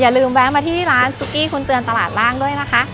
ลืมแวะมาที่ร้านซุกี้คุณเตือนตลาดร่างด้วยนะคะ